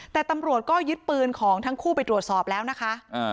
แต่ตำรวจก็ยึดปืนของทั้งคู่ไปตรวจสอบแล้วนะคะ